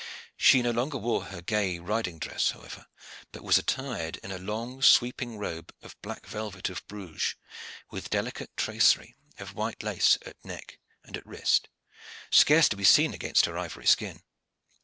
She no longer wore her gay riding dress, however, but was attired in a long sweeping robe of black velvet of Bruges, with delicate tracery of white lace at neck and at wrist, scarce to be seen against her ivory skin.